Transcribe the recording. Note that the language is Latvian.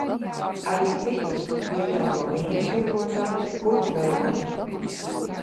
Arī citus – vietējo vīna tirgotavu, puķu veikalu.